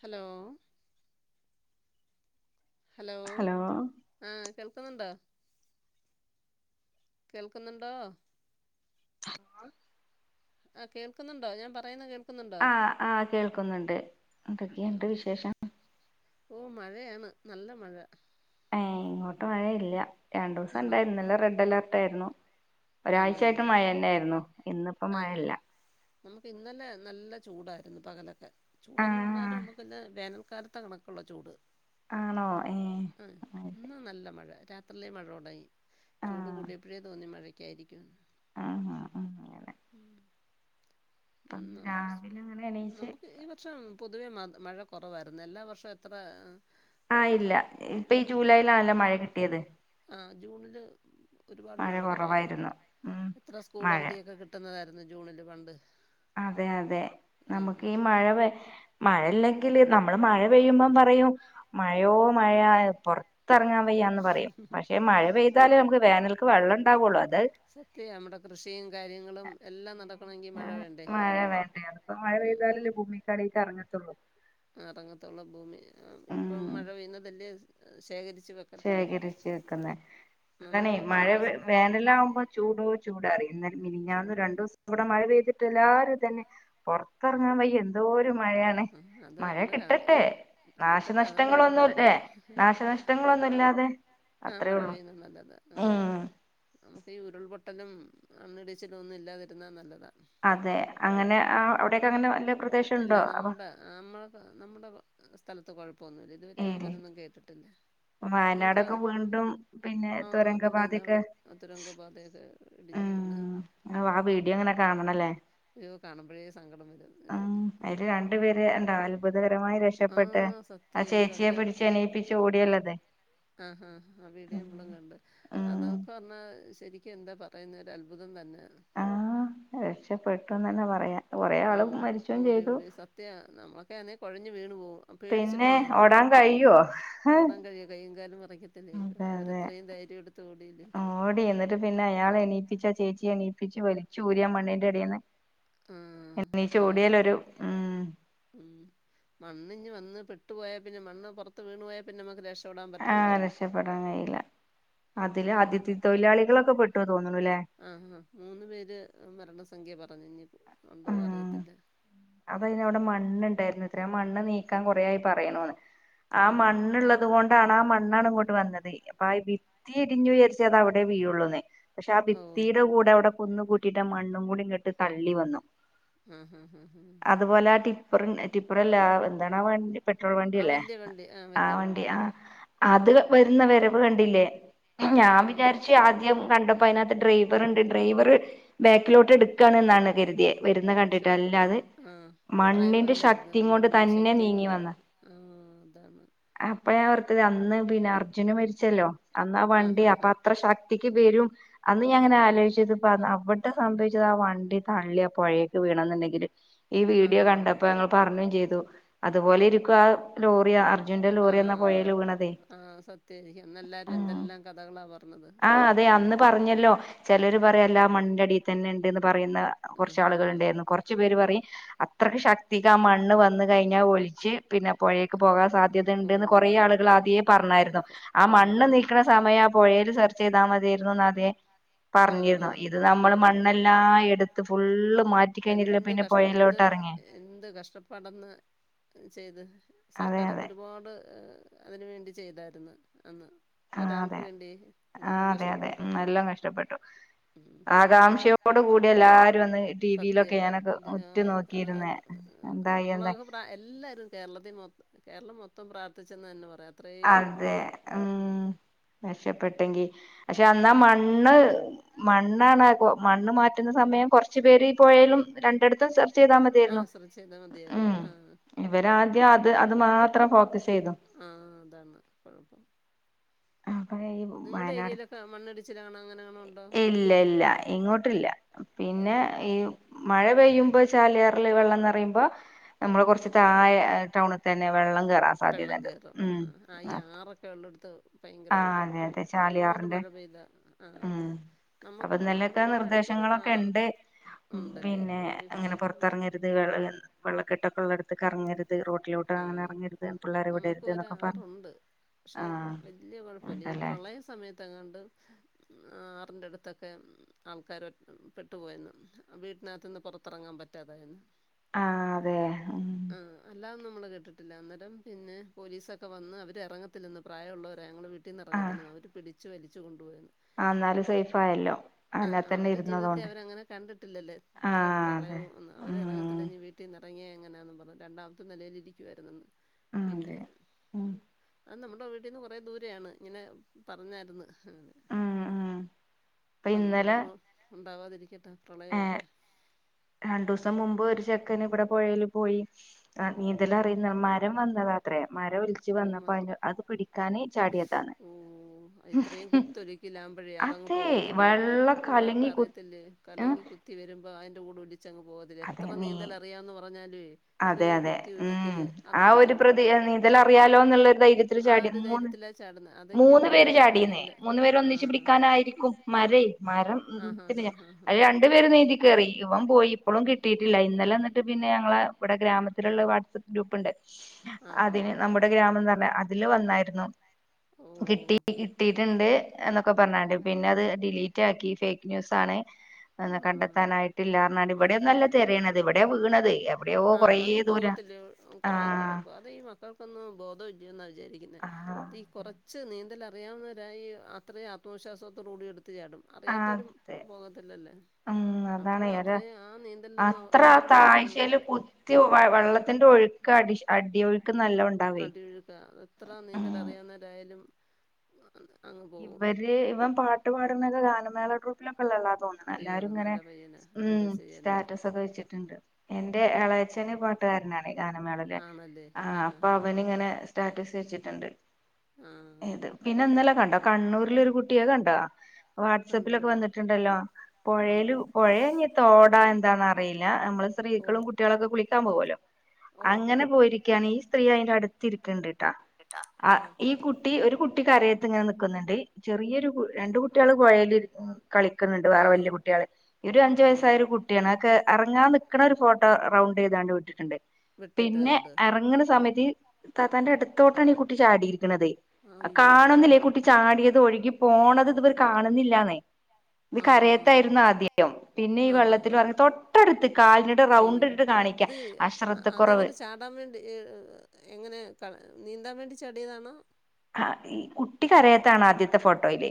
Hello hello ആഹ് കേൾക്കുന്നുണ്ടോ കേൾക്കുന്നുണ്ടോ ഹലോ ആഹ് കേൾക്കുന്നുണ്ടോ ഞാൻ പറയുന്ന കേൾ ആഹ് ആഹ് കേൾക്കുന്നുണ്ട് ആ എന്തൊക്കെയുണ്ട് വിശേഷം ഓ മഴയാണ് നല്ല മഴ ഏയ് ഇങ്ങോട്ട് മഴയില്ല രണ്ടു ദിവസം ആണോ ഇണ്ടായിരുന്നു ഇന്നലെ റെഡ് അലേർട്ടായിരുന്നു ആണല്ലേ ഒരാഴ്ചയായിട്ട് മഴ തന്നെയായിയിരുന്നു ഇന്നിപ്പോ ആഹാ മഴയില്ല നമുക്ക് ഇന്നലെ നല്ല ചൂടായിരുന്നു പകലൊക്കെ ചൂടന്ന് ആഹ് പറഞ്ഞാലും നമുക്ക് വേനൽക്കാ- ത്ത കണക്കുള്ള ചൂട് ആണോ ഏഹ് ആഹ് ഇന്ന് നല്ല മഴ രാത്രിയിലെ മഴ തുടങ്ങി ചൂട് ആഹ് കൂടിയപ്പോഴേ തോന്നി മഴക്കായിരിക്കും എന്ന് ആഹ് അങ്ങനെ ഉം ഇപ്പം ഉം നമസ് രാവിലെ അങ്ങനെ എണീച്ച് നമുക്ക് ഈ വ- വർഷം പൊതുവേ മഴ കുറവായിരുന്നു എല്ലാ വർഷവും എത്ര ആഹ് ആ, ഇല്ല ഇപ്പൊ ഈ ജൂലൈയിലാണല്ലോ മഴ കിട്ടിയത് അഹ് ജൂണില് ഒരുപാട് മഴ കുറവായിരുന്നു എത്ര സ്കൂൾ മഴ അവധിയൊക്കെ കിട്ട- കിട്ടുന്നതായിരുന്നു ജൂണില് പണ്ട് അതെ അതെ ഉം നമുക്ക് ഈ മഴ മഴയില്ലെങ്കില് നമ്മള് മഴ പെയ്യുമ്പം പറ- പറയും മഴയോ മഴയ പുറ പുത്തിറങ്ങാൻ വയ്യാ എന്ന് പറയും പക്ഷെ മഴ പെയ്താല് നമുക്ക് വേനല്ക്ക് വെള്ളം ഉണ്ടാവുള്ളൂ അത് മറ്റേ നമ്മുടെ കൃഷിയും കാര്യങ്ങളും എല്ലാം നടക്കണമെങ്കിൽ മഴ വേണം മഴ വേണ്ടേ അപ്പ മഴ പെയ്താലല്ലേ ഭൂമിക്കടിക്ക് ഇറങ്ങത്തുള്ളൂ ഇറങ്ങത്തുള്ള ഭൂമി ഉം ഇപ്പം മഴ പെയ്യുന്നതല്ലേ ശേഖരിച്ചു വെക്ക- ശേഖരിച്ച് വക്കുന്ന അതണെ നമുക്ക് മഴ ചൂട് വേനല ആകുമ്പോ ചൂടോ ചൂടോ അറിയുന്നെ മിനിഞ്ഞാന്ന് ചൂട് രണ്ട്ദിവസം ഇവിടെ മഴ പെയ്തിട്ട് എല്ലാരും ഇതന്നെ പുറത്തിറങ്ങാൻ വയ്യ എന്തോരംമഴയ ആ അതാ നമ്മള് കിട്ടട്ടെ അതാ ഞാനും പറഞ്ഞെ നാശനഷ്ടങ്ങളൊന്നുംല്ലേ നാശനഷ്ടങ്ങളൊന്നും ഇല്ലാതെ ആഹ് അത്രേ മഴ ഉള്ളൂ പെയ്യുന്നത് നല്ലതാ ആ ഉം നമുക്ക് ഈ ഉരുൾപൊട്ടലും മണ്ണിടിച്ചിലും ഒന്നും ഇല്ലാതിരുന്നാ നല്ലതാ അതെ അങ്ങനെ അവിടെയൊക്കെ അങ്ങനെ വല്ല പ്ര- ഇല്ല നമ്മുടെ നമ്മള നമ്മുടെ സ്ഥലത്ത് കുഴപ്പമൊന്നുമില്ല ഇതുവരെം ഏഹ് അങ്ങനൊന്നും കേട്ടിട്ടില്ല നിങ്ങക്കാ വയനാടൊക്കെ വീണ്ടും പിന്നെ ആഹ് അതല്ലേ തുരങ്കപാതയൊക്കെ ഇന്നാള് അതുരംഗ പാത- ഇടിഞ്ഞു വിണ് അഹ് ആ വീഡിയോ അങ്ങനെ കാണണല്ലേ യ്യോ കാണുമ്പോഴേ സങ്കടം വരും ആ അതില് രണ്ടു പേര് ഇണ്ടാവാലോ അത്ഭുതകരമായി ആ രക്ഷപ്പെട്ട് ആ സത്യം അയ്യോ ചേച്ചിയെ പിടിച്ച് എണിയിപ്പിച്ചു ഓടിയുള്ളത് അഹ് ആഹ് ആ വീഡിയോ നമ്മളും കണ്ട് ഉം അതൊക്കെ പറഞ്ഞാ ശരിക്കും എന്താ പറയുന്നെ ഒരു അത്ഭുതം തന്നെ ആഹ് രക്ഷപ്പെട്ടുന്ന് തന്നെ പറയാ കൊറെആള് മരിച്ചും ചെയ്തു സത്യ നമ്മളൊക്കെ അന്നേൽ കുഴഞ്ഞ് വീണു പോവും പിന്നെ പേടിച്ചിട്ടേ ഓടാൻ കഴിയോ ഓടാൻ കഴിയ- കൈയും കാലം വിറക്കത്തില്ലേ അതെ അതെ അവരത്രയും ധൈര്യം എടുത്ത് ഓടിയില്ലേ ഓടി എന്നിട്ട് പിന്നെ അയാൾ എണീപ്പിച്ച ചേച്ചി എണീപ്പിച്ചു വലിച്ചു ഊരിയി മണ്ണേന്റെ അടിന്ന് ആഹ് എണീച്ച് ആഹ് ഓടിയാലൊരു സത്യാണ് ഉം ഉം മണ്ണിങ്ങ് വന്ന് പെട്ടു പോയാൽ പിന്നെ മണ്ണ് പുറത്ത് വീണു പോയാൽ പിന്നെ നമുക്ക് രക്ഷ- ആഹ് രക്ഷപ്പെടാൻ കഴിയില്ല അതില് അതിഥി തൊഴിലാളികളൊക്കെ പെട്ടു തോന്നുണുല്ലേ ആഹ് അഹ് മൂന്ന് പേര് മരണസംഖ്യ പറഞ്ഞ് ഇനി ഉണ്ടോന്ന് അറിയത്തില്ല അത് അതിന് അവിടെ മണ്ണ് ഉണ്ടായിരുന്നു ഇത്ര ആ മണ്ണ് നീക്കാൻ കൊറേ ആയി പറയുണൂന്ന് ആ ഓഹ് മണ്ണുള്ളത് കൊണ്ടാണ് ആ മണ്ണാണ് ഇങ്ങോട്ട് വന്നത് അപ്പ ആ ഭിത്തി ഇടിഞ്ഞു വിചാരിച്ച് അത് അവിടെ വീഴുള്ളുന്നെ പക്ഷെ ആ വന്നത് ഓഹ് ഭിത്തിയുടെ കൂടെ അവിടെ കുന്നു കൂട്ടിയിട്ട മണ്ണും കൂടി ഇങ്ങട്ട് തള്ളി വന്നു ഹും ഹും ഹും അതുപോലെ ആ ടിപ്പർ ടിപ്പറല്ല എന്താണ് ആ വണ്ടി പെട്രോൾ വണ്ടി ആഹ് അല്ലേ വല്യ വണ്ടി ആഹ് ആ വല്യ വണ്ടി ആ അത് വരുന്ന വരവ് കണ്ടില്ലേ ഞാൻ ആഹ് വിചാരിച്ചു ആദ്യം കണ്ടപ്പോ അതിനകത്ത് ഡ്രൈവർ ഉണ്ട് ഡ്രൈവർ ബാക്കിലോട്ട് എടുക്കുകാണ് എന്നാണ് കരുതിയ വരുന്നത് പക്ഷെ കണ്ടിട്ട് അല്ലാതെ ആഹ് ഡ്രൈവർല്ലായിരുന്നു മണ്ണ് തന്നെ ശക്തി കൊണ്ട് ആഹ് അതാണ് അപ്പഴാ ഓർത്തത് അന്ന് പിന്നെ അർജുന് മരിച്ചല്ലോ അന്നാ ആഹ് വണ്ടി ആഹ് അപ്പൊ അത്ര ആഹ് ശക്തിക്ക് വരും അന്ന് ഞാൻ അങ്ങന ആലോച്ചത് പ്പ അവിടെ സംഭവിച്ചത് ആ വണ്ടി തള്ളി ആ പുഴേക്ക് വീണ് എന്നുണ്ടെങ്കില് ഈ വീഡിയോ കണ്ടപ്പോ ആഹ് ഞങ്ങൾ പറഞ്ഞും ചെയ്തു അതുപോലെ ഇരിക്കും ആ ലോറി അർ ജുന്റെ ലോറി അന്ന പുഴയിൽ വീണതേ ആഹ് സത്യായിരിക്കാം അന്നെല്ലാരും ഉം എന്തെല്ലാം കഥകളാ പറഞ്ഞത് കറക്റ്റ് അല്ലേ ആഹ് അതെ അന്നു പറഞ്ഞ ചിലർ പറയാല്ല ആ മണ്ണിന്റെ അടിയിൽ തന്നെ ഉണ്ട്ന്ന് പറയുന്ന കുറച്ചു ആളുകൾ ഉണ്ടായിരുന്നു കുറച്ചു പേര് പറയും അത്രയ്ക്ക് കുറച്ചാളുകൾ ഉണ്ടായിരുന്നു കുറച്ചു പേര് പറയും ശക്തിക്ക് ആ മണ്ണ് വന്ന് കഴിഞ്ഞാൽ ഒലിച്ച് പിന്നെ പുഴേക്ക് പോകാൻ സാധ്യത ണ്ട്ന്ന് കുറേ ആളുകൾ ആദ്യേ പറഞ്ഞായിരുന്നു ആ മണ്ണ് നീക്കണ സമയം ആ പുഴയിൽ സെർച്ച് ചെയ്താൽ മതിയായിരുന്നു അതെ പറഞ്ഞിരുന്നു ഇത് നമ്മള് മണ്ണെല്ലാം എടുത്ത് ഫുള്ള് മാറ്റിക്കഴിഞ്ഞില്ല പിന്നെ ഇപ്പ എന്ത് പുഴയിലോട്ട് ഇറങ്ങിയേ എന്ത് കഷ്ടപ്പാടന്ന് ചെയ്ത് അതെ സർക്കാരൊക്കെ അതെ ഒരുപാട് അതിന് വേണ്ടി ചെയ്തായിരുന്നു അന്ന് ആഹ് അതെ ഒരാൾക്ക് വേണ്ടി എന്തോരം ആഹ് അതെ അതെ കഷ്ടപ്പെട്ട് എല്ലാം കഷ്ടപ്പെട്ടു ഉം ആകാംക്ഷയോ ട് കൂടി എല്ലാരും അന്ന് ടിവിയിലൊക്കെ സത്യം ഞാനൊക്കെ ഉറ്റു നോക്കിയിരുന്നേ എന്തായി എന്തായി നമ്മളൊക്കെ പ്ര എല്ലാവരും കേരളത്തി മൊം കേരളം മൊത്തം പ്രാർത്ഥിച്ചെന്ന് തന്നെ പറയാ അതെ ഉം രക്ഷപ്പെട്ടെങ്കി പക്ഷെ അന്നാ മണ്ണ് മണ്ണാണ് മണ്ണ് മാറ്റുന്ന സമയം കൊറച്ചു പേര് ഈ പൊയേലും രണ്ടിടത്തും സെർ ചെയ്താൽ മതിയായിരുന്നു ആഹ് ശ്രദ്ധിച്ചാൽ മതിയായിരുന്നു ഉം ആഹ് ഇവര് ആദ്യം അത് അത് മാത്രം ഫോക്കസ് ചെയ്തു ആഹ് അതാണ് കൊഴപ്പം അപ്പൊ ഈ നിങ്ങളുടെ വയനാട് ഏരിയയിലൊക്കെ മണ്ണടിച്ചിലണം അങ്ങനെ ഇല്ല ഇല്ല ഇങ്ങോട്ടില്ല പിന്നെ ആഹ് ഈ മഴ പെയ്യുമ്പോ ചാലിയാറില് വെള്ളം നിറയുമ്പോ നമ്മള് കൊറച്ച് താഴെ ടൗണിൽ തന്നെ വെള്ളം കയറാൻ വെള്ളം സാധ്യതുണ്ട് കയറും ഉം ആഹ് ആഹ് ഈ ആ ആറൊക്കെ ഉള്ളെടുത്ത് ഭയങ്കരമായിട്ട് അതെ വെള്ളം അതെ ഒരുപാട് ചാലിയാറിന്റെ മഴ പെയ്താല് ആഹ് ഉം അപ്പൊ നമ്മുക്കും നമ്മുടെ ഇന്നലെയൊക്കെ വീട്ടന്റെ അടുത്തടൊരാ നിർദ്ദേശങ്ങളൊക്കെ ഉണ്ട് ഉണ്ടല്ലേ വീ അത് വിള വെള്ളക്കെട്ടൊക്കെള്ളടുത്ത് കറങ്ങരു ത് റോട്ടിലോട്ട് അങ്ങനെ ആഹ് ഇറങ്ങരുത് പിള്ളേരെ നമുക്ക് വിടരുത് എന്നൊക്കെ പറഞ്ഞു ആഹ് വല്യ കുഴപ്പമില്ല ഈ പ്രളയ സമയത്ത്ങ്ങാണ്ട് ആറിൻ്റെ അടുത്തൊക്കെ ആൾക്കാര് പെട്ടുപോയന്നു വീട്ടിനകത്തു നിന്ന് പുറത്തിറങ്ങാൻ പറ്റാതായന്നു ആഹ് അതെ ആഹ് അല്ലാതൊന്നും നമ്മള് കേട്ടിട്ടില്ല അന്നേരം പിന്നെ പോലീസൊക്കെ വന്ന് അവര് ഇറങ്ങത്തില്ലന്ന് പ്രായമുള്ളവര ഞങ്ങള് വി ട്ടീന്ന് ആ ഇറങ്ങത്തില്ലെന്ന് അവര് പിടിച്ച് വലിച്ചു കൊണ്ടുപോയന്ന് ആ എന്നാല് സേഫ് ആയല്ലോ ആഹ് അതിനകത്ത് തന്നെ അവരു ജീവിതത്തി ഇരുന്നതോണ്ട് അവരങ്ങനെ കണ്ടിട്ടില്ലല്ലേ ഇത്രയും ആഹ് അതെ പ്രളയവും ഒന്നും അവര് ഉം ഇറങ്ങത്തില്ലെങ്‌ വീട്ട് ട്ടിനിറങ്ങിയ എങ്ങനാന്ന് പറഞ്ഞ് രണ്ടാമത്തെ നിലയിലിരിക്കുവായിരുന്നെന്ന് പിന്നെ അതെ ഉം അത് നമ്മുടെ വീട്ടീന്ന് കുറേ ദൂരെയാണ് ഇങ്ങനെ പറഞ്ഞായിരുന്നു അങ്ങനെ ഉം ഉം ഇപ്പൊ ഇന്നലെ അതുപോലൊന്നും ഉണ്ടാവാതിരിക്കട്ടെ പ്രളയമൊക്കെ രണ്ടു ദിവസം മുമ്പ് ഒരു ചെക്കന് ഇവിടെ പോയേൽ പോയി ആ നീന്തല് അറിയുന്ന മരം വന്നതാത്രേ മരം ഒലിച്ച് വന്നപ്പോ അതി അത് പിടിക്കാന് ചാടിയതാണ് ഓഹ് ഇത്രയും കുത്തൊഴുക്കിലാകുമ്പഴേ അതങ്ങ് അതെ പോകത്തില്ലേ വെള്ളം പിള്ളേർക്ക് കലങ്ങി കു അറിയ ത്തില്ലി ഏഹ് കലങ്ങി കുത്തി വരുമ്പോ അതിന്റെ കൂടെ ഒലിച്ചങ്ങ് പോക അതെ എത്ര നീ നീന്തൽ അറിയാന്ന് പറഞ്ഞാല് അതെ ഇത്രയും അതെ കുത്തി ഒലക്കില് അതൊരു ചങ്ങ് പോവും നിന്നല് അറിയാലോ എന്നുള്ളരു ധൈര്യത്തിൽ ചാടി മൂന്ന് ധൈര്യത്തിലാ ചാടുന്നെ അതാ ഈ മൂന്ന് പേര് ചാടിയുന്നേ അപകടത്തിൽപ്പെടുന്നതെല്ലാം മൂന്ന് പേര് ഒന്നിച്ച് ആഹ് പിടിക്കാനായിരിക്കും മരം മരം ആഹ് ഉ ആഹ് ആഹ് പിന്നെ ആഹ് ആഹ് അത് രണ്ടു പേര് നീന്തി കയറി ഇവൻ പോയി ളും കിട്ടിട്ടില്ല ഇന്നലെന്നിട്ട് പിന്നെ ഞങ്ങളെ ഇവിടെ ഗ്രാമത്തിലുള്ള വാട്സ്ആപ്പ് ഗ്രൂപ്പുണ്ട് ആഹാ അതിന് നമ്മുടെ ഗ്രാമം തന്നെ അതില് വന്നായിരുന്നു കിട്ടി ഓ കിട്ടിയിട്ടുണ്ട് എന്നൊക്കെ പറഞ്ഞങ്ങാണ്ട് പിന്നെ അത് ഡിലീറ്റ ആക്കി ഫേക്ക് ന്യൂസ് ആണ് ന്നാ അത് കണ്ടെത്താനായിട്ടില്ലാന്നാലും ഇവിടെയ നല്ല തിരയണത് ഇവിടെയോ വീണത് എവിടെയോ ആ കൊറ അതങ്ങ് ദൂര പോകത്തില്ലേ ആഹ ന്നും ബോധഇല്ലേന്നവിചാരിക്കുന്നെ അത് ഈ കുറ ച്ച് നീന്തൽ അറിയാവുന്നവരായി അത്രയും ആത്മവിശ്വാസത്തോട കൂടി എടുത്ത് ചാടും അറിയാത്തവരും അതെ പോകത്തില്ലല്ലേ ഉം അതാണ് രാ അത്ര ആ വെള്ളത്തിലൊന്നും താഴ്ചൽ കുത്തി വ വെള്ളത്തിന്റെ ഒഴു അടിശ് അടി അടിയൊഴുക്ക് നല്ലോം ഉണ്ടാവേ അടിയൊഴുക്ക എത്ര നീന്തൽ അറിയാവുന്നവരായാലും അഹ ഇവര് ഇവൻ പാട്ട് പാടുന്നാല്ലാം ഗാനമേളാട്രൂപ്പിലൊക്കെല്ലല്ല അയ്യോ എല്ലരും ഇങ്ങനെ നല്ല പയ്യനാ എന്തോ ഉം ചെയ്യാനാ സ്റ്റാറ്റസ് ഒക്കെ വെച്ചിട്ടുണ്ട് എന്റെ യേളെച്ചെൻ പോ ട്ടുകാരനാണ് ഈ ആ ഗാനമേളയിക്‌ ആണല്ലേ ആഹ ആഹ് അപ്പൊ ആഹ് അവനി ഇങ്ങനെ സ്റ്റാറ്റസ് വെച്ചിട്ടുണ്ട്ണ്ട് ആഹ് ആഹ് ഇത് പിന്നെ ഇന്നലെ കണ്ട കണ്ണൂരിലൊരു കുട്ടിയ കണ്ട വാഡ്സപ്പിലൊക്കെ കണ്ടില്ലടാ വന്നിട്ടുണ്ടല്ലോ പോയിയിൽ ആണോ പോയെ ഏഹ ഇഞ് തോടാ എന്താന്ന അറിയില്ല നമ്മള് ഓ സ്ത്രീകളും കുട്ടികളൊക്കെ കുളിക്കാൻ പോകല്ലോ ഓ അങ്ങനെ പോയിരിക്കുകയാണ് ഈ സ്ത്രീ അയിന്റെ അടുത്ത് തിരിക്കണ്ടിട്ടാ ആ ആഹ് ഈ കുട്ടി ഒരു കുട്ടികരെയത്തിങ്ങനെ നിക്‌ കുന്നുണ്ട് ചെറിയൊരു കു ആഹ് രണ്ട കുട്ടികള് പോയേൽ കളിക്കുന്നുണ്ട് വേറെ ആഹ് വല്യയ കുട്ടികള് ഒരു അഞ്ചു ആഹ് വയസ്സായ ഒരു കുട്ടിയാണ് അക്കെ ഇറങ്ങാൻ നിക്കണ ഒരു ഫോട്ടോ റൗണ്ട് ചെയ്താണ്ട് വിട്ടിട്ടുണ്ട് പിന്നെ വിട്ടിട്ടുണ്ട് ഇറങ്ങണ സമയത്ത് ത താന്റെ എടൊത്തോട്ടാണ് ഈ കുട്ടി ചാടിയിരികുന്നത് അയ്യോ കാണുന്നില്ലേ കു ചാടിയത് ഒഴുകി പോണത് ഇതുവർ കാണുന്നില്ലാന്നേ ഇത് ആഹ് കരയത്തായിരുന്നു ആദ്യം പിന്നെ ഈ ആഹ് ആഹ് വെള്ളത്തിൽ ആഹ് പറ തൊട്ടടുത്ത് കാലിനട്ട് റൗണ്ട അയ്യോ ഇട്ടട്ട് കാണിക്കാം അശ്രദ്ധക്കുറവ് ടാൻ വേണ്ടി എങ്ങനെ നീന്താൻ വേണ്ടി ചെടിയതാണോ ആഹ ഈ കുട്ടി കരയത്താണ് ആദ്യത്തെ ഫോട്ടോയില്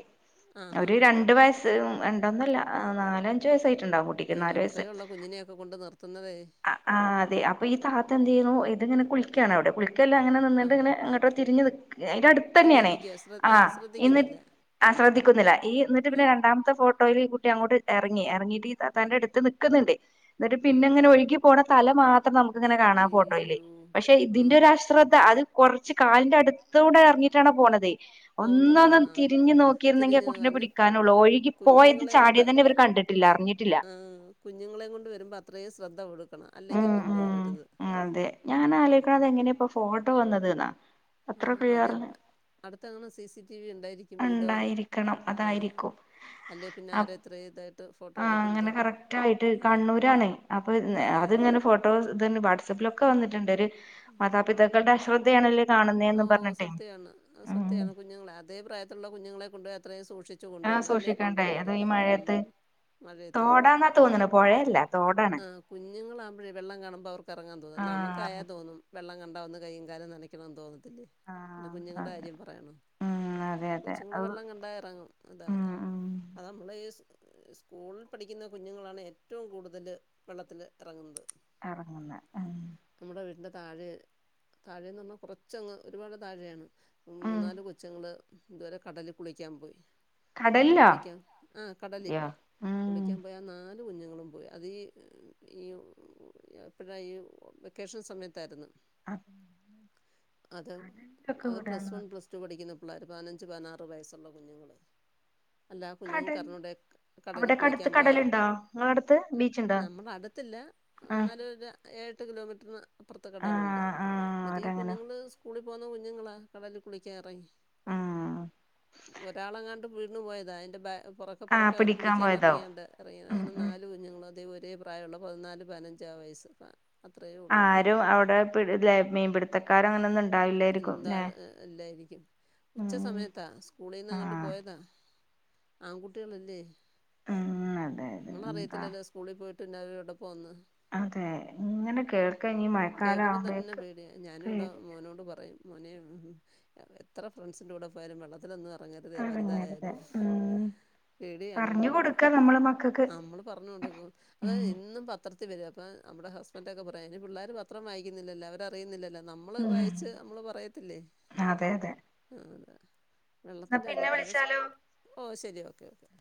ആഹ് ഒരു ആഹ് ആഹ് രണ്ട വയസ് അഹ രണ്ടന്നല്ല നാലഞ്ച് വയസ്സായിട്ണ്ടാവും കു അയ്യോ അത്രേ ഉുള്ള കുഞ്ഞിനെയൊക്കെ കൊണ്ട് നിർത്തുന്നതേ ആഹ അതെ അപ്പോ ഈ താതഎന്ത് ചെയ്യുന്നു ഇത്ങ്ങനെ കുളിക്കയാണ് അവിടെ കുളിക്കല്ല അങ്ങനെ ന്നിന്നിട്ട് ആഹ് ഇങ്ങനെങ്ങോട്ട തിരിഞ്ഞു നിക്ക അതിന്റെ അടു ഒന്ന് തന്നെയാണ് ഇരിക്കുക ശ്ര ആഹ ആഹ് എന്ന് ശ്രദ്ധിക്കുന്നില്ല ആഹ ശ്രദ്ധിക്കുന്നില്ല ഈ എന്നിട്ട് പിന്നെ ആഹ് രണ്ടാമത്തെോഫോട്ടോ ട്ടോൽ ഈ കുട്ടി അങ്ങോട്ട് ഇറങ്ങി ഇറങ്ങിയിട്ട് താതൻറെ അടുത്ത് നിൽക്കുന്നണ്ട് എന്നിട്ട് പിന്നെ ഉം ഇങ്ങനെ ഒഴുകി പോകണ തല മാത്രം നമുക്ങ്ങനെ കാണാം ഫോട്ടോയിൽ അയ്യോ പക്ഷെ ഇതിന്റെ ആഹ് ഒരു അശ്രദ്ധ അത് കുറച്ച് കാലിന്റെ അടുത്ത കൂടെ ഇറങ്ങിട്ടാണ് പോണതേ പോകുന്നത് ഒന്നന്നാം ആഹ് തിരിഞ് നോക്കിരുന്നെങ്കി ആഹ തിരിഞ്ഞ് കുട്ടിനെ അന്ന് പിടിക്കാനുള്ളൂ ഒഴുകി പോയത് ചാടിയെ തന്നെ ഇവർ കണ്ടിട്ട് ട്ടില്ല അറിഞ്ഞിട്ടില്ല അഹ കുഞ്ഞുങ്ങളെ കൊണ്ട് വരുമ്പോൾ അത്രയും ശ്രദ്ധ കൊടുക്കണം ഉം അല്ലെങ്കിൽ ഉം കൊണ്ടുവരരുത് അതെ ഞാൻ ആഹ് ആലോക്കണത് എങ്ങനെയ ഇപ്പ ഫോട്ടോ വന്നത് എന്നാ അത്ര ആഹ് പ്രയാറന്ന് അതെവിടെ അടുത്തങ്ങനെ സി സി ടി വി ഉണ്ടായിരിക്കും വീടോ ണ്ടായിരിക്കണം ആഹ് അതായിരിക്കും അല്ലേ പിന്നെ ആഹ ആരാ ഇത്ര ഇതായിട്ട് ഫോട്ടോ എടുക്കുന്നത് അങ്ങനെ കറക്റ്റയിട്ട് ആഹ് കണ്ണൂരാണ് അപ്പൊ ആഹ് ആഹ് ആഹ് അത്ങ്ങനെ ഫോട്ടോസ് ഇദേ വാട്സപ്പിലൊക്കെ വന്നിട്ടണ്ട് ഒരു മാതാപിതാക്കളുടെ അശ്രദ്ധയാണല്ലോ ഓഹ സത്യാണ് സത്യാണ് കുഞ്ഞുങ്ങളെ അതേ പ്രായത്തിലുള്ള കുഞ്ഞുങ്ങളെ കൊണ്ട് അത്രയും സൂക്ഷിച്ച ച്ച് കൊണ്ടു ആ പോണം അല്ലേ സൂക്ഷിക്കണ്ടേ അത് കൊണ്ടുപോകരുത് ഈ ഉം മഴയത്ത് മഴയത്ത് തോടാന്നാ തോന്നണ പുഴയല്ല തോടാണ് ആ കുഞ്ഞുങ്ങളാകുമ്പഴേ വെള്ളം കാണുമ്പോ അവർക്കെ റങ്ങാൻ തോന്നും നമക്കായാ ആഹ് തോന്നും വെള്ളം കണ്ടാ ഒന്ന് കയ്യും കാലും നനക്കണോന്ന് തോന്നത്തില്ലേ? ആ പിന്നെ കുഞ്ഞുങ്ങടെ അതെ കാര്യം പറയാണോ ഉം അതെ അതെ കൊച്ചുങ്ങള് അത് വെള്ളം കണ്ടായെറങ്ങും അതാ ഉം ഉം അത് നമ്മളെയി സ് സ്കൂൾ പഠിക്കുന്ന കുഞ്ഞുങ്ങളാണ് ഏറ്റവും കൂടുതല് വെള്ളത്തില് എറങ്ങുന്നത് എറങ്ങ്ന്നെ നമ്മുടെ വീട്ടിൻ്റെ താഴെ താഴേന്ന് പറഞ്ഞാ കൊറച്ചങ്ങ് ഒരുപാട് താഴെയാണ് ഉം മൂന്നാല് കൊച്ചുങ്ങള് ഇതുപോലെ കടല് കുളിക്കാൻ പോയി കടല് കടലിലോ കുളിക്കാം ആഹ് കടലി യോ ഉം കുളിക്കാൻ പോയി ആ നാല് കുഞ്ഞുങ്ങളും പോയി അതീ ഈ എപ്പഴാ ഈ വെക്കേഷം സമയത്തായിര്ന്നു അഹ് അത് അത് പ്ലസ് വൺ പ്ലസ് ടു പഠിക്കുന്ന പിള്ളേർ പതിനഞ്ച് പതിനാറ് വയസ്സുള്ള കുഞ്ഞുങ്ങള് അല്ല കടൽ കുഞ്ഞുങ്ങക്കറിഞ്ഞുടെ കടലി അവിടെക്കെ അടുത്ത് കുളിക്കാം പോയാ കടലുണ്ടോ നിങ്ങള അടുത്ത് ബീച്ചുണ്ടോ നമ്മളെ അടുത്തല്ല ആഹ് എന്നാല് ഒര് ഏഴെട്ട് കിലോമീറ്ററ് അപ്പുറത്ത് കടലുണ്ട് ആഹ് ആഹ് ന്നിട്ട് ഈ അവരങ്ങനെ കുഞ്ഞുങ്ങള് സ് കൂളി പോവുന്ന കുഞ്ഞുങ്ങളാ കടലി കുളിക്കാനെറങ്ങി ആഹ് ഒരാളെങ്ങാണ്ട് വീണ് പോയതാ അയിന്റെ പൊറകെ ആഹ് പൊറകെ അവര് പിടിക്കാൻ പോയതാവും പിടിക്കാനെറെങ്ങിയാണ്ടാ ഉം അങ്ങനെ ഉം നാല് കുഞ്ഞുങ്ങള് അതേ ഒരേ പ്രാ യവുള്ള പതിനാല് പതിനഞ്ചാ വയസ്സ് പ്രായം അത്രയേ ഒള്ള് രും അവടെ പിട് മീംപിട്ത്തക്കാരങ്ങനൊന്നുണ്ടാ എന്താ ഇല്ലായിരിക്കും ഉച്ച ഉം സമയത്താ സ്കൂളിന്നെങ്ങാണ്ട് ആഹ് പോയതാ ആങ്കുട്ടികളല്ലേ ഉം അതെ അതെ എന്താ നമ്മളറിയത്തില്ലല്ലോ സ്കു ളി പോയിട്ട് പിന്നവെരെവിടെ പോവ്ന്ന് അതെ ഇങ്ങനെ കേൾക്കാ ഇനി മഴക്കാലം കേക്കുമ്പോ തന്നെ ആവുമ്പഴേക്ക് പേടിയ ഞാനും ഇവ്ടെ പേടി മോനോ ടു പറയും മോനേ എത്ര ഫ്രണ്ട്സിന്റെ കൂടെ പോയാലും വെള്ളത്തിലൊന്നെറ ങ്ങര്ത് അടങ്ങരുത് വലുതായാലും ഉം പേടിയാണ് പറഞ്ഞു മ്മക്ക് കൊടുക്ക നമ്മള് മക്കക്ക് നമ്മള് പറഞ്ഞു കൊട്ക്കും അതെ ഉം എന്നും പത്രത്തിവെരും അപ്പൊ നമ്മടെ ഹസ്ബൻഡൊക്കെ പറയും അയ്ന് പിള്ളേര് പത്രം വായിക്കുന്നില്ലല്ലോ അവ രറിയുന്നില്ലല്ലോ നമ്മള് ഉം വായിച്ച് നമ്മള് പറയത്തില്ലേ അതെ അതെ ആഹ് അതെ ന്നാ വെള്ളത്തിന്റെറെ പിന്നെ കാര്യത്തി അതാ സു വിളിച്ചാലോ ഓ ശെരി ഓക്കെ ഓക്കെ